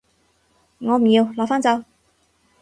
我唔要，攞返走